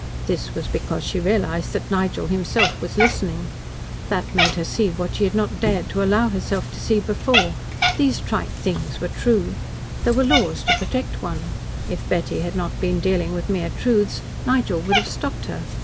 This was because she realised that Nigel himself was listening. That made her see what she had not dared to allow herself to see before. These trite things were true. There were laws to protect one. If Betty had not been dealing with mere truths, Nigel would have stopped her.